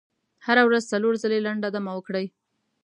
هره ورځ څلور ځلې لنډه دمه وکړئ.